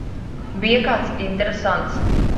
Bija kāds interesants?